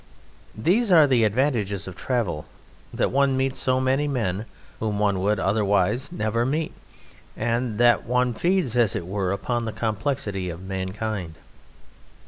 These are the advantages of travel, that one meets so many men whom one would otherwise never meet, and that one feeds as it were upon the complexity of mankind.